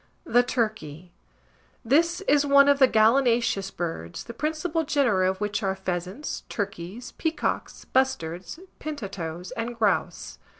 THE TURKEY. This is one of the gallinaceous birds, the principal genera of which are Pheasants, Turkeys, Peacocks, Bustards, Pintatoes, and Grouse.